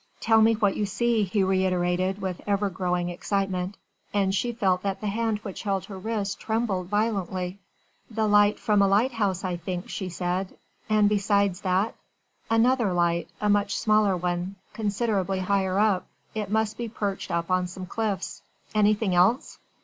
"Tell me what you see," he reiterated with ever growing excitement, and she felt that the hand which held her wrist trembled violently. "The light from a lighthouse, I think," she said. "And besides that?" "Another light a much smaller one considerably higher up. It must be perched up on some cliffs." "Anything else?"